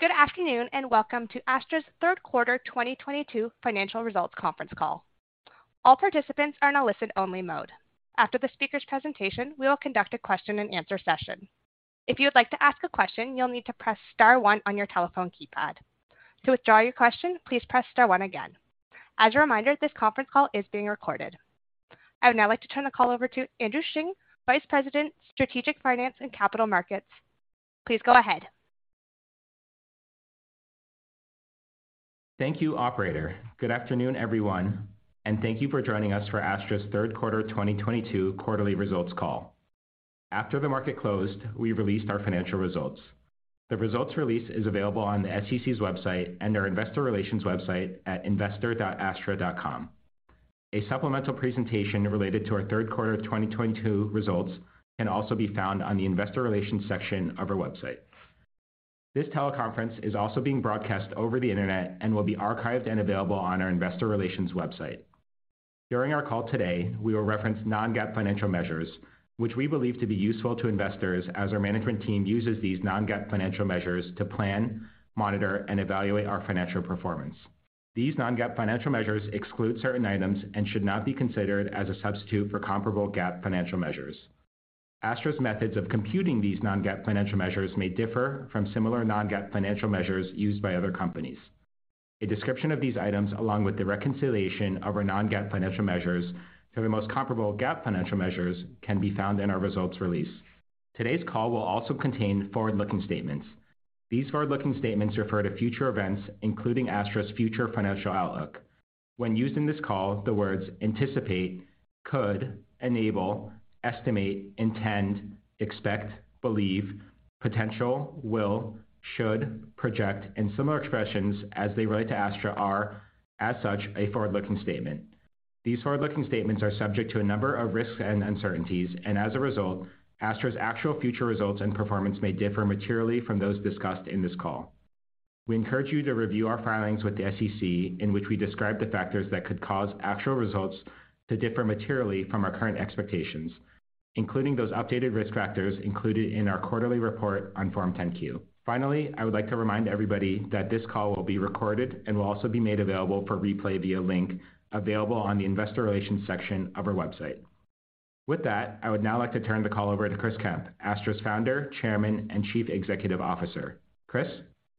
Good afternoon, and welcome to Astra's Third Quarter 2022 Financial Results Conference Call. All participants are in a listen-only mode. After the speaker's presentation, we will conduct a question-and-answer session. If you would like to ask a question, you'll need to press star one on your telephone keypad. To withdraw your question, please press star one again. As a reminder, this conference call is being recorded. I would now like to turn the call over to Andrew Hsiung, Vice President, Strategic Finance and Capital Markets. Please go ahead. Thank you, operator. Good afternoon, everyone, and thank you for joining us for Astra's Third Quarter 2022 Quarterly Results Call. After the market closed, we released our financial results. The results release is available on the SEC's website and our investor relations website at investor.astra.com. A supplemental presentation related to our third quarter 2022 results can also be found on the investor relations section of our website. This teleconference is also being broadcast over the Internet and will be archived and available on our investor relations website. During our call today, we will reference non-GAAP financial measures which we believe to be useful to investors as our management team uses these non-GAAP financial measures to plan, monitor, and evaluate our financial performance. These non-GAAP financial measures exclude certain items and should not be considered as a substitute for comparable GAAP financial measures. Astra's methods of computing these non-GAAP financial measures may differ from similar non-GAAP financial measures used by other companies. A description of these items, along with the reconciliation of our non-GAAP financial measures to the most comparable GAAP financial measures can be found in our results release. Today's call will also contain forward-looking statements. These forward-looking statements refer to future events, including Astra's future financial outlook. When used in this call, the words anticipate, could, enable, estimate, intend, expect, believe, potential, will, should, project, and similar expressions as they relate to Astra are, as such, a forward-looking statement. These forward-looking statements are subject to a number of risks and uncertainties, and as a result, Astra's actual future results and performance may differ materially from those discussed in this call. We encourage you to review our filings with the SEC in which we describe the factors that could cause actual results to differ materially from our current expectations, including those updated risk factors included in our quarterly report on Form 10-Q. Finally, I would like to remind everybody that this call will be recorded and will also be made available for replay via link available on the investor relations section of our website. With that, I would now like to turn the call over to Chris Kemp, Astra's Founder, Chairman, and Chief Executive Officer. Chris?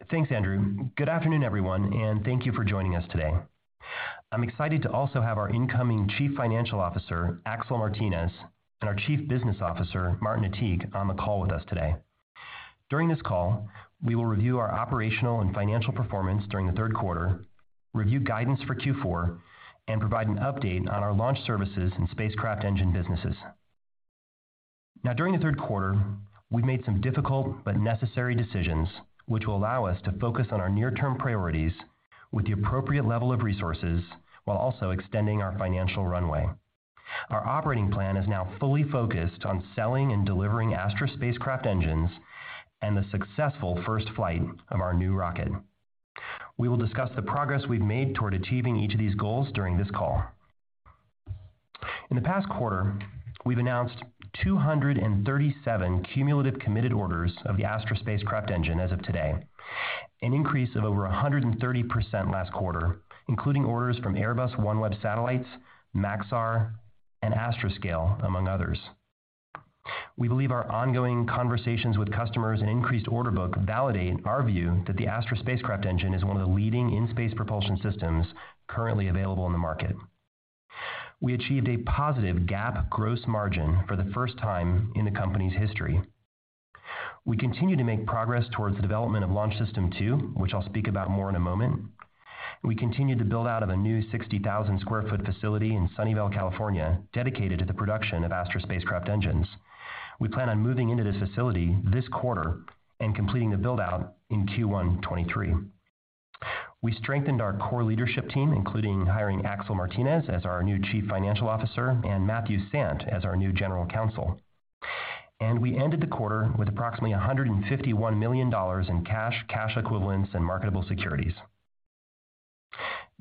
Thanks, Andrew. Good afternoon, everyone, and thank you for joining us today. I'm excited to also have our incoming Chief Financial Officer, Axel Martinez, and our Chief Business Officer, Martin Attiq, on the call with us today. During this call, we will review our operational and financial performance during the third quarter, review guidance for Q4, and provide an update on our launch services and spacecraft engine businesses. Now during the third quarter, we've made some difficult but necessary decisions which will allow us to focus on our near-term priorities with the appropriate level of resources while also extending our financial runway. Our operating plan is now fully focused on selling and delivering Astra spacecraft engines and the successful first flight of our new rocket. We will discuss the progress we've made toward achieving each of these goals during this call. In the past quarter, we've announced 237 cumulative committed orders of the Astra Spacecraft Engine as of today, an increase of over 130% last quarter, including orders from Airbus OneWeb Satellites, Maxar, and Astroscale, among others. We believe our ongoing conversations with customers and increased order book validate our view that the Astra Spacecraft Engine is one of the leading in-space propulsion systems currently available in the market. We achieved a positive GAAP gross margin for the first time in the company's history. We continue to make progress towards the development of Launch System II, which I'll speak about more in a moment. We continue to build out a new 60,000 sq ft facility in Sunnyvale, California, dedicated to the production of Astra Spacecraft Engines. We plan on moving into this facility this quarter and completing the build-out in Q1 2023. We strengthened our core leadership team, including hiring Axel Martinez as our new Chief Financial Officer and Matthew Sant as our new General Counsel. We ended the quarter with approximately $151 million in cash equivalents, and marketable securities.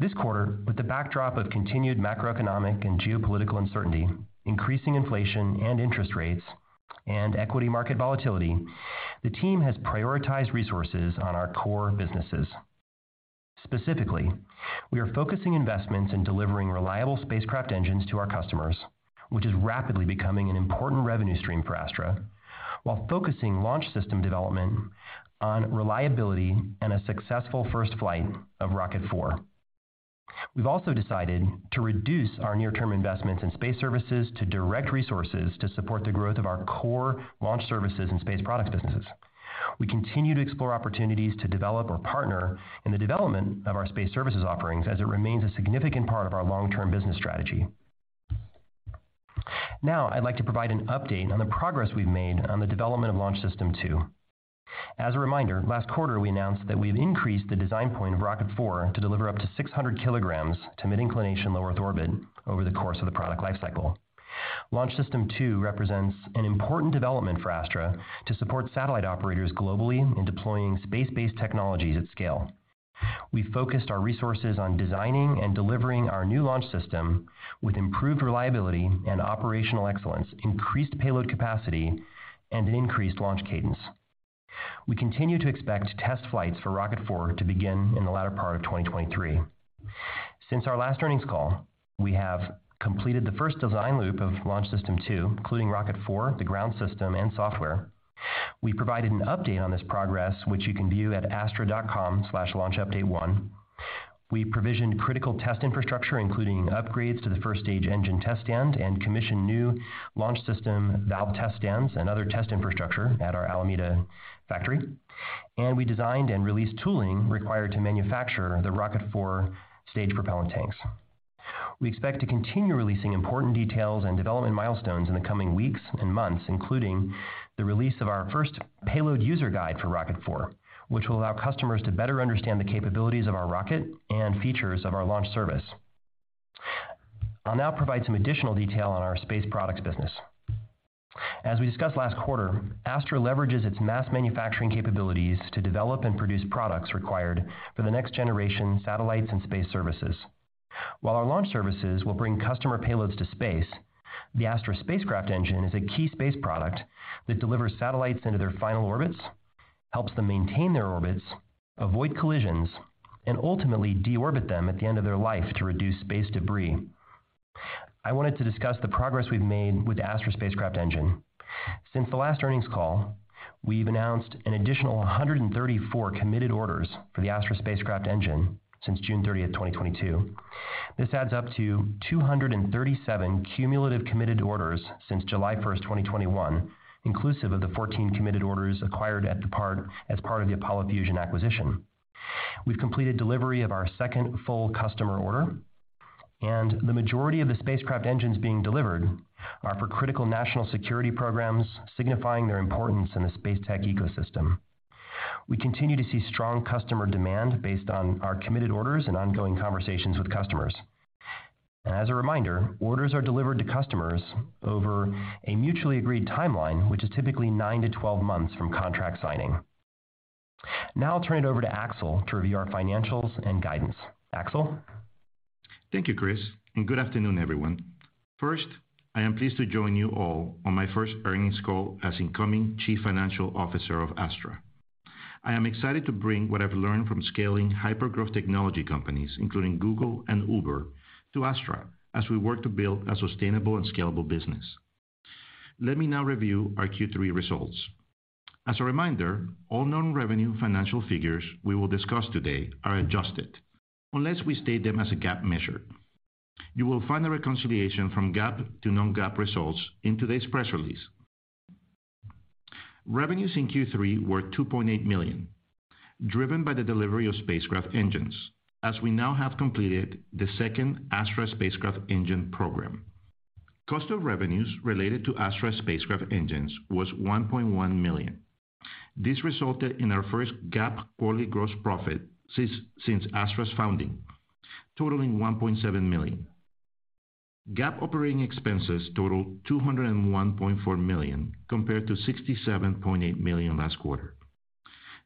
This quarter, with the backdrop of continued macroeconomic and geopolitical uncertainty, increasing inflation and interest rates and equity market volatility, the team has prioritized resources on our core businesses. Specifically, we are focusing investments in delivering reliable spacecraft engines to our customers, which is rapidly becoming an important revenue stream for Astra while focusing launch system development on reliability and a successful first flight of Rocket 4. We've also decided to reduce our near-term investments in space services to direct resources to support the growth of our core launch services and space products businesses. We continue to explore opportunities to develop or partner in the development of our space services offerings as it remains a significant part of our long-term business strategy. Now, I'd like to provide an update on the progress we've made on the development of Launch System II. As a reminder, last quarter we announced that we've increased the design point of Rocket Four to deliver up to 600 kilograms to mid-inclination low Earth orbit over the course of the product lifecycle. Launch System 2 represents an important development for Astra to support satellite operators globally in deploying space-based technologies at scale. We focused our resources on designing and delivering our new launch system with improved reliability and operational excellence, increased payload capacity, and an increased launch cadence. We continue to expect test flights for Rocket 4 to begin in the latter part of 2023. Since our last earnings call, we have completed the first design loop of Launch System 2, including Rocket 4, the ground system and software. We provided an update on this progress, which you can view at astra.com/launchupdate1. We provisioned critical test infrastructure, including upgrades to the first stage engine test stand and commissioning new launch system valve test stands and other test infrastructure at our Alameda factory. We designed and released tooling required to manufacture the Rocket 4 stage propellant tanks. We expect to continue releasing important details and development milestones in the coming weeks and months, including the release of our first payload user guide for Rocket 4, which will allow customers to better understand the capabilities of our rocket and features of our launch service. I'll now provide some additional detail on our space products business. As we discussed last quarter, Astra leverages its mass manufacturing capabilities to develop and produce products required for the next generation satellites and space services. While our launch services will bring customer payloads to space, the Astra Spacecraft Engine is a key space product that delivers satellites into their final orbits, helps them maintain their orbits, avoid collisions, and ultimately deorbit them at the end of their life to reduce space debris. I wanted to discuss the progress we've made with the Astra Spacecraft Engine. Since the last earnings call, we've announced an additional 134 committed orders for the Astra Spacecraft Engine since June 30, 2022. This adds up to 237 cumulative committed orders since July 1, 2021, inclusive of the 14 committed orders acquired as part of the Apollo Fusion acquisition. We've completed delivery of our second full customer order, and the majority of the spacecraft engines being delivered are for critical national security programs, signifying their importance in the space tech ecosystem. We continue to see strong customer demand based on our committed orders and ongoing conversations with customers. As a reminder, orders are delivered to customers over a mutually agreed timeline, which is typically 9-12 months from contract signing. Now I'll turn it over to Axel to review our financials and guidance. Axel. Thank you, Chris, and good afternoon, everyone. First, I am pleased to join you all on my first earnings call as incoming Chief Financial Officer of Astra. I am excited to bring what I've learned from scaling hypergrowth technology companies, including Google and Uber, to Astra as we work to build a sustainable and scalable business. Let me now review our Q3 results. As a reminder, all non-revenue financial figures we will discuss today are adjusted unless we state them as a GAAP measure. You will find a reconciliation from GAAP to non-GAAP results in today's press release. Revenues in Q3 were $2.8 million, driven by the delivery of spacecraft engines as we now have completed the second Astra Spacecraft Engine program. Cost of revenues related to Astra Spacecraft Engines was $1.1 million. This resulted in our first GAAP quarterly gross profit since Astra's founding, totaling $1.7 million. GAAP operating expenses totaled $201.4 million, compared to $67.8 million last quarter.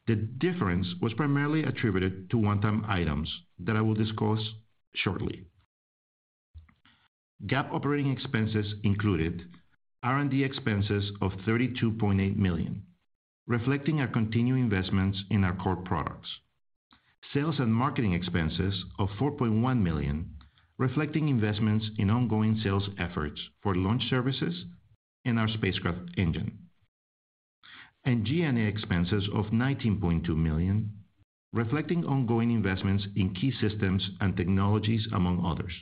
The difference was primarily attributed to one-time items that I will discuss shortly. GAAP operating expenses included R&D expenses of $32.8 million, reflecting our continued investments in our core products. Sales and marketing expenses of $4.1 million, reflecting investments in ongoing sales efforts for launch services and our spacecraft engine. G&A expenses of $19.2 million, reflecting ongoing investments in key systems and technologies, among others.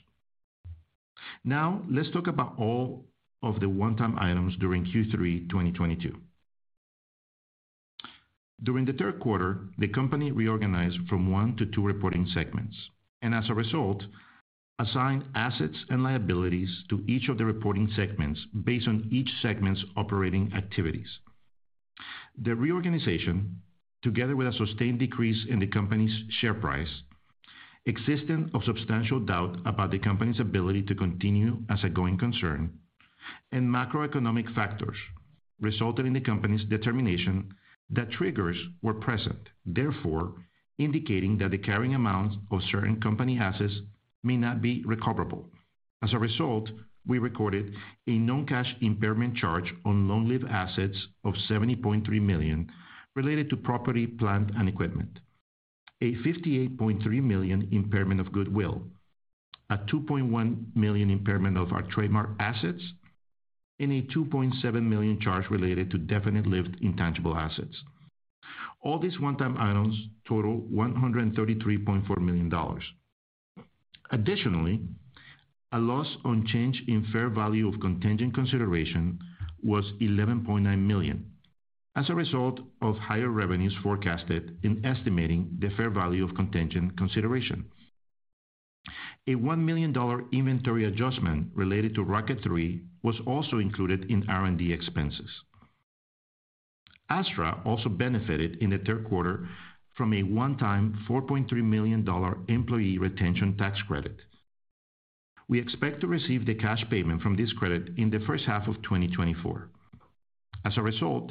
Now let's talk about all of the one-time items during Q3 2022. During the third quarter, the company reorganized from one to two reporting segments, and as a result, assigned assets and liabilities to each of the reporting segments based on each segment's operating activities. The reorganization, together with a sustained decrease in the company's share price, existence of substantial doubt about the company's ability to continue as a going concern, and macroeconomic factors resulted in the company's determination that triggers were present, therefore indicating that the carrying amounts of certain company assets may not be recoverable. As a result, we recorded a non-cash impairment charge on long-lived assets of $70.3 million related to property, plant, and equipment. A $58.3 million impairment of goodwill, a $2.1 million impairment of our trademark assets and a $2.7 million charge related to definite-lived intangible assets. All these one-time items total $133.4 million. Additionally, a loss on change in fair value of contingent consideration was $11.9 million as a result of higher revenues forecasted in estimating the fair value of contingent consideration. A $1 million inventory adjustment related to Rocket 3 was also included in R&D expenses. Astra also benefited in the third quarter from a one-time $4.3 million employee retention tax credit. We expect to receive the cash payment from this credit in the first half of 2024. As a result,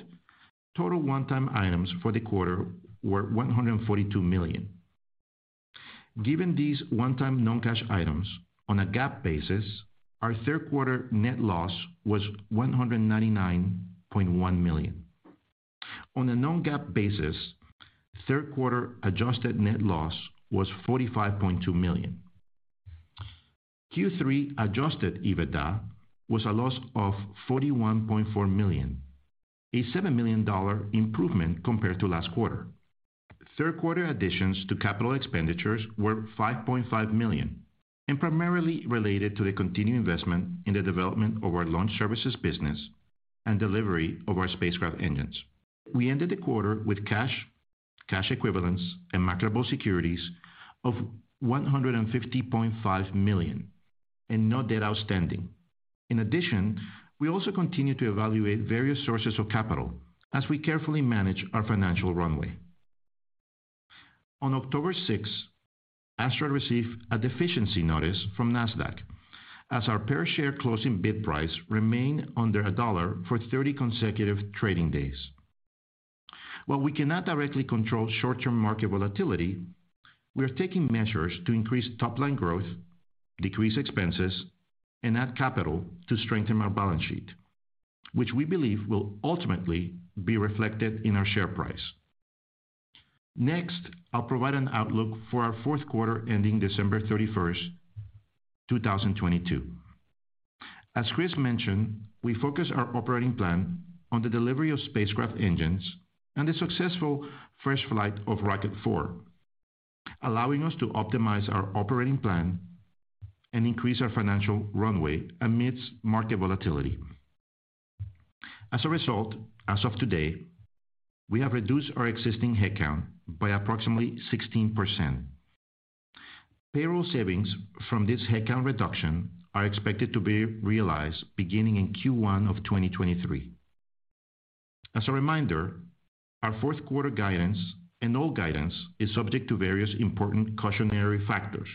total one-time items for the quarter were $142 million. Given these one-time non-cash items, on a GAAP basis, our third quarter net loss was $199.1 million. On a non-GAAP basis, third quarter adjusted net loss was $45.2 million. Q3 adjusted EBITDA was a loss of $41.4 million, a $7 million improvement compared to last quarter. Third quarter additions to capital expenditures were $5.5 million, and primarily related to the continued investment in the development of our launch services business and delivery of our spacecraft engines. We ended the quarter with cash equivalents, and marketable securities of $150.5 million and no debt outstanding. In addition, we also continue to evaluate various sources of capital as we carefully manage our financial runway. On October 6, Astra received a deficiency notice from NASDAQ as our per share closing bid price remained under $1 for 30 consecutive trading days. While we cannot directly control short-term market volatility, we are taking measures to increase top-line growth, decrease expenses, and add capital to strengthen our balance sheet, which we believe will ultimately be reflected in our share price. Next, I'll provide an outlook for our fourth quarter ending December 31, 2022. As Chris mentioned, we focus our operating plan on the delivery of spacecraft engines and the successful first flight of Rocket 4, allowing us to optimize our operating plan and increase our financial runway amidst market volatility. As a result, as of today, we have reduced our existing headcount by approximately 16%. Payroll savings from this headcount reduction are expected to be realized beginning in Q1 of 2023. As a reminder, our fourth quarter guidance and all guidance is subject to various important cautionary factors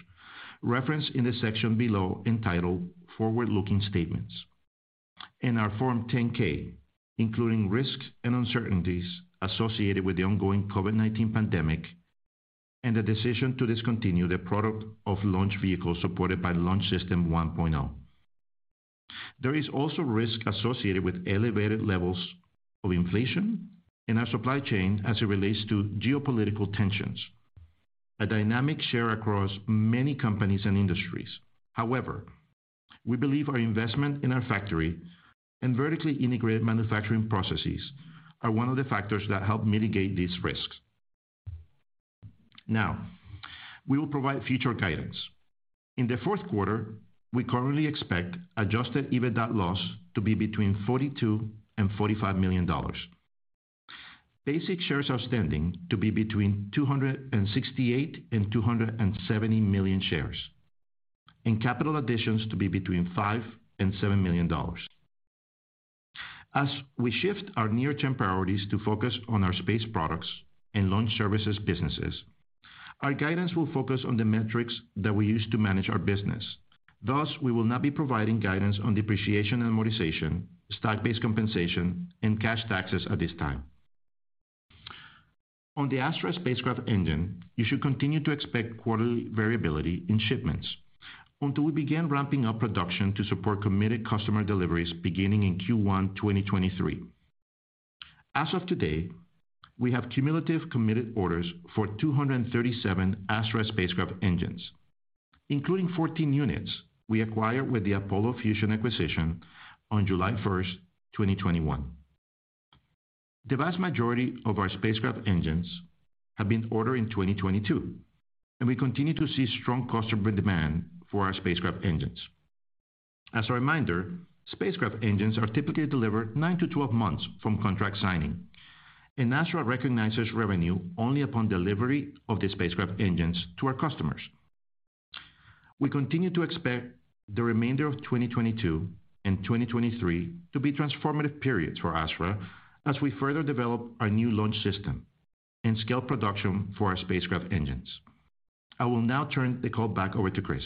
referenced in the section below entitled Forward-Looking Statements in our Form 10-K, including risks and uncertainties associated with the ongoing COVID-19 pandemic and the decision to discontinue the production of launch vehicles supported by Launch System 1.0. There is also risk associated with elevated levels of inflation in our supply chain as it relates to geopolitical tensions and dynamics across many companies and industries. However, we believe our investment in our factory and vertically integrated manufacturing processes are one of the factors that help mitigate these risks. Now, we will provide future guidance. In the fourth quarter, we currently expect adjusted EBITDA loss to be between $42 million and $45 million. Basic shares outstanding to be between 268 and 270 million shares, and capital additions to be between $5 and $7 million. As we shift our near-term priorities to focus on our space products and launch services businesses, our guidance will focus on the metrics that we use to manage our business. Thus, we will not be providing guidance on depreciation and amortization, stock-based compensation, and cash taxes at this time. On the Astra Spacecraft Engine, you should continue to expect quarterly variability in shipments until we begin ramping up production to support committed customer deliveries beginning in Q1 2023. As of today, we have cumulative committed orders for 237 Astra Spacecraft Engines, including 14 units we acquired with the Apollo Fusion acquisition on July 1, 2021. The vast majority of our spacecraft engines have been ordered in 2022, and we continue to see strong customer demand for our spacecraft engines. As a reminder, spacecraft engines are typically delivered 9-12 months from contract signing, and Astra recognizes revenue only upon delivery of the spacecraft engines to our customers. We continue to expect the remainder of 2022 and 2023 to be transformative periods for Astra as we further develop our new launch system and scale production for our spacecraft engines. I will now turn the call back over to Chris.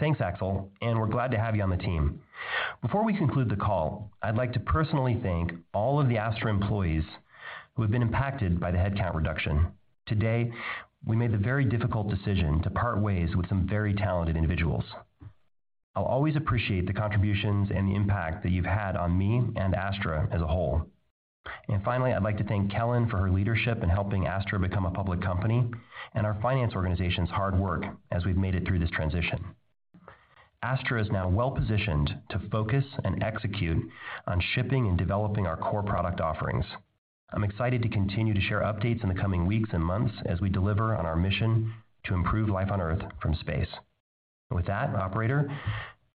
Thanks, Axel, and we're glad to have you on the team. Before we conclude the call, I'd like to personally thank all of the Astra employees who have been impacted by the headcount reduction. Today, we made the very difficult decision to part ways with some very talented individuals. I'll always appreciate the contributions and the impact that you've had on me and Astra as a whole. Finally, I'd like to thank Kelyn for her leadership in helping Astra become a public company and our finance organization's hard work as we've made it through this transition. Astra is now well-positioned to focus and execute on shipping and developing our core product offerings. I'm excited to continue to share updates in the coming weeks and months as we deliver on our mission to improve life on Earth from space. With that, operator,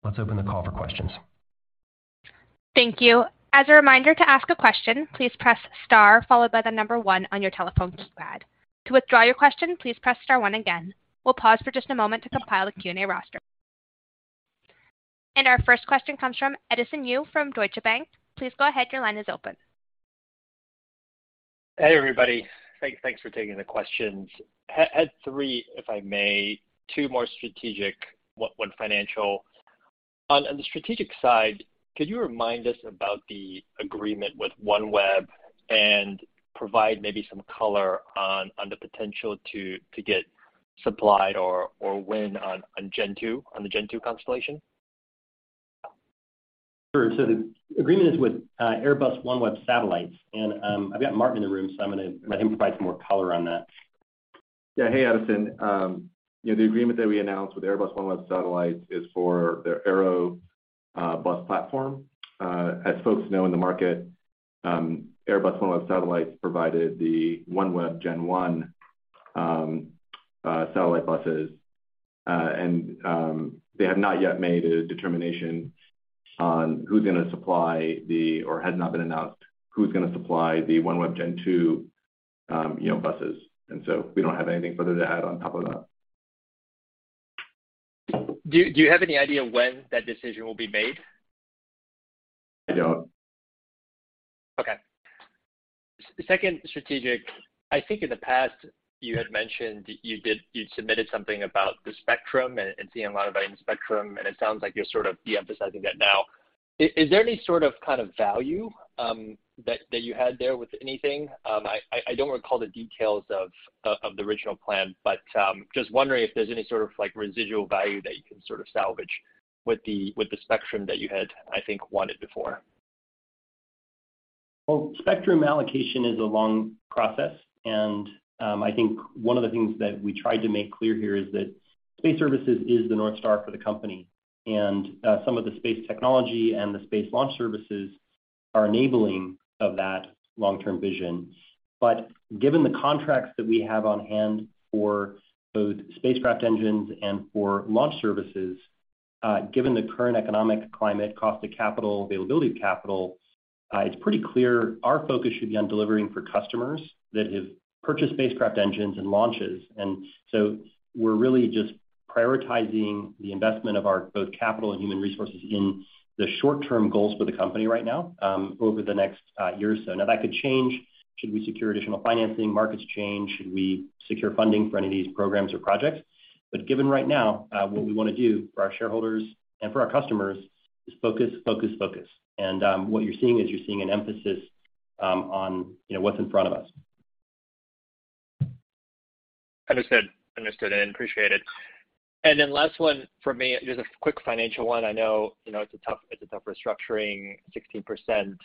let's open the call for questions. Thank you. As a reminder, to ask a question, please press star followed by the number one on your telephone keypad. To withdraw your question, please press star one again. We'll pause for just a moment to compile a Q&A roster. Our first question comes from Edison Yu from Deutsche Bank. Please go ahead. Your line is open. Hey, everybody. Thanks for taking the questions. Had three, if I may, two more strategic, one financial. On the strategic side, could you remind us about the agreement with OneWeb and provide maybe some color on the potential to get supplied or when on Gen 2, on the Gen 2 constellation? Sure. The agreement is with Airbus OneWeb Satellites. I've got Martin in the room, so I'm gonna let him provide some more color on that. Yeah. Hey, Edison. You know, the agreement that we announced with Airbus OneWeb Satellites is for their Arrow platform. As folks know in the market, Airbus OneWeb Satellites provided the OneWeb Gen 1 satellite buses. They have not yet made a determination on who's gonna supply the OneWeb Gen 2, you know, buses. We don't have anything further to add on top of that. Do you have any idea when that decision will be made? I don't. Okay. Second strategic. I think in the past you had mentioned you'd submitted something about the spectrum and seeing a lot of value in the spectrum, and it sounds like you're sort of de-emphasizing that now. Is there any sort of kind of value that you had there with anything? I don't recall the details of the original plan, but just wondering if there's any sort of like residual value that you can sort of salvage with the spectrum that you had, I think wanted before. Well, spectrum allocation is a long process, and I think one of the things that we tried to make clear here is that space services is the North Star for the company. Some of the space technology and the space launch services are enabling of that long-term vision. Given the contracts that we have on hand for both spacecraft engines and for launch services, given the current economic climate, cost of capital, availability of capital, it's pretty clear our focus should be on delivering for customers that have purchased spacecraft engines and launches. We're really just prioritizing the investment of our both capital and human resources in the short-term goals for the company right now, over the next year or so. Now, that could change should we secure additional financing, markets change, should we secure funding for any of these programs or projects. Given right now, what we wanna do for our shareholders and for our customers is focus, focus. What you're seeing is an emphasis on, you know, what's in front of us. Understood, and appreciate it. Then last one for me, just a quick financial one. I know, you know, it's a tough restructuring, 16%.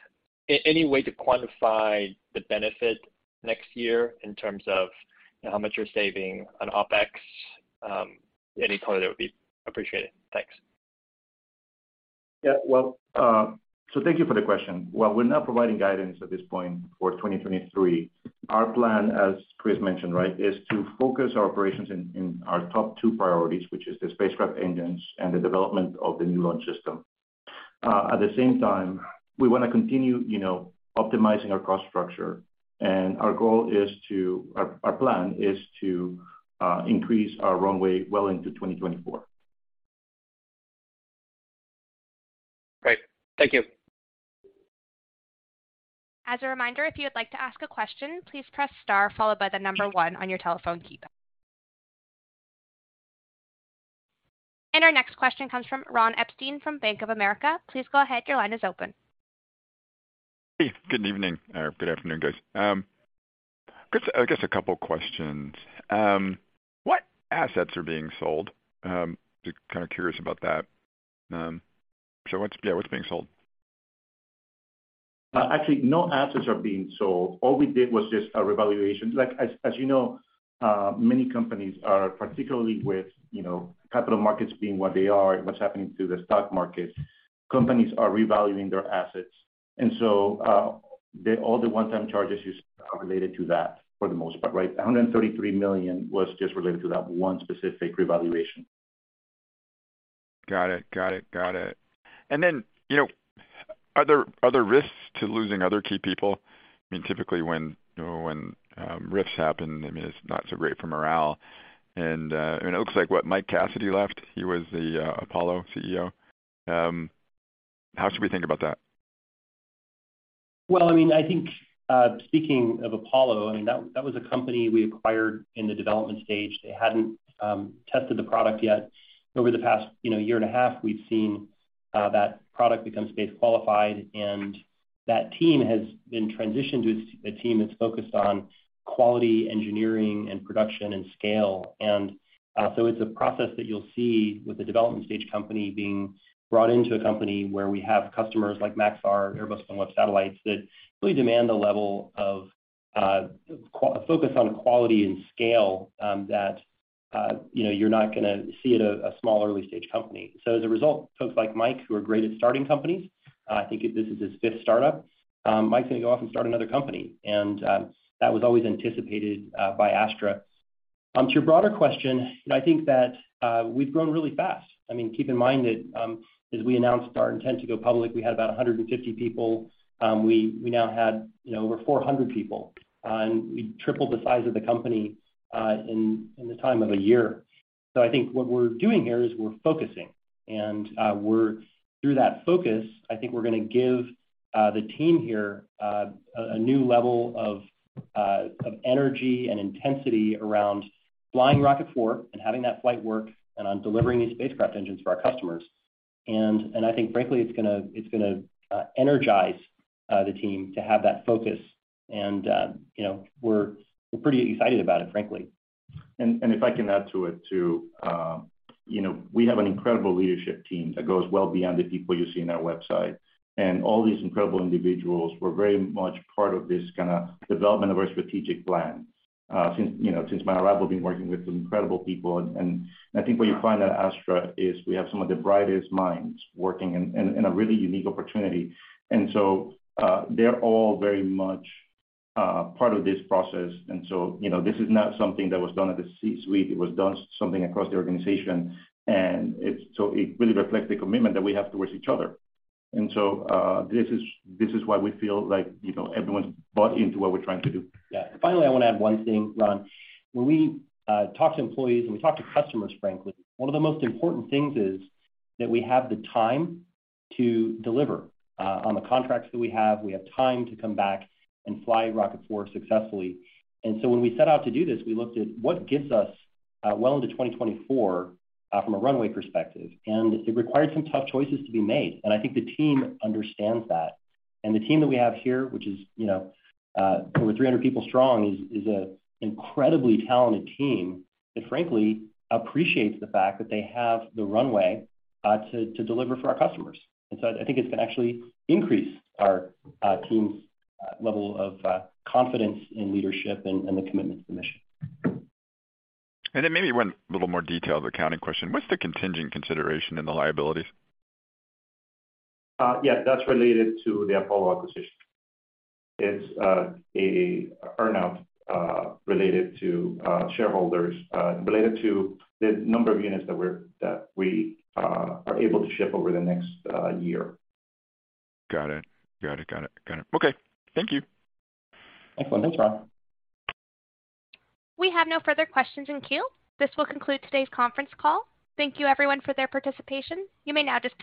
Any way to quantify the benefit next year in terms of how much you're saving on OpEx? Any color there would be appreciated. Thanks. Yeah. Well, thank you for the question. While we're not providing guidance at this point for 2023, our plan, as Chris mentioned, right, is to focus our operations in our top two priorities, which is the spacecraft engines and the development of the new launch system. At the same time, we wanna continue, you know, optimizing our cost structure, and our plan is to increase our runway well into 2024. Great. Thank you. As a reminder, if you would like to ask a question, please press star followed by the number one on your telephone keypad. Our next question comes from Ronald Epstein from Bank of America. Please go ahead, your line is open. Hey. Good evening, or good afternoon, guys. I guess a couple questions. What assets are being sold? Just kinda curious about that. So what's being sold? Actually, no assets are being sold. All we did was just a revaluation. Like, as you know, many companies are, particularly with, you know, capital markets being what they are and what's happening to the stock markets, companies are revaluing their assets. All the one-time charges is related to that for the most part, right? $133 million was just related to that one specific revaluation. Got it. You know, are there risks to losing other key people? I mean, typically when, you know, when rifts happen, I mean, it's not so great for morale. It looks like what Mike Cassidy left. He was the Apollo Fusion CEO. How should we think about that? Well, I mean, I think, speaking of Apollo, I mean, that was a company we acquired in the development stage. They hadn't tested the product yet. Over the past, you know, year and a half, we've seen that product become space qualified, and that team has been transitioned to a team that's focused on quality engineering and production and scale. It's a process that you'll see with the development stage company being brought into a company where we have customers like Maxar, Airbus OneWeb Satellites, that really demand a level of focus on quality and scale, that, you know, you're not gonna see at a small early-stage company. As a result, folks like Mike, who are great at starting companies, I think this is his fifth startup, Mike's gonna go off and start another company. That was always anticipated by Astra. To your broader question, you know, I think that we've grown really fast. I mean, keep in mind that, as we announced our intent to go public, we had about 150 people. We now have, you know, over 400 people. We tripled the size of the company in the time of a year. I think what we're doing here is we're focusing. Through that focus, I think we're gonna give the team here a new level of energy and intensity around flying Rocket 4 and having that flight work and on delivering these spacecraft engines for our customers. I think frankly, it's gonna energize the team to have that focus and you know, we're pretty excited about it, frankly. If I can add to it too. You know, we have an incredible leadership team that goes well beyond the people you see on our website. All these incredible individuals were very much part of this kinda development of our strategic plan. You know, since my arrival, been working with some incredible people. I think what you find at Astra is we have some of the brightest minds working in a really unique opportunity. They're all very much part of this process. You know, this is not something that was done at the C-suite. It was done something across the organization. It's so it really reflects the commitment that we have towards each other. This is why we feel like, you know, everyone's bought into what we're trying to do. Yeah. Finally, I wanna add one thing, Ron. When we talk to employees and we talk to customers, frankly, one of the most important things is that we have the time to deliver on the contracts that we have. We have time to come back and fly Rocket 4 successfully. When we set out to do this, we looked at what gets us well into 2024 from a runway perspective. It required some tough choices to be made. I think the team understands that. The team that we have here, which is, you know, over 300 people strong, is a incredibly talented team that frankly appreciates the fact that they have the runway to deliver for our customers. I think it's gonna actually increase our team's level of confidence in leadership and the commitment to the mission. Maybe one little more detailed accounting question. What's the contingent consideration in the liabilities? Yeah, that's related to the Apollo acquisition. It's an earn-out related to shareholders related to the number of units that we are able to ship over the next year. Got it. Okay. Thank you. Excellent. Thanks, Ron. We have no further questions in queue. This will conclude today's conference call. Thank you everyone for their participation. You may now disconnect.